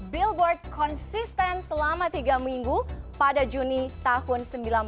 billboard konsisten selama tiga minggu pada juni tahun seribu sembilan ratus sembilan puluh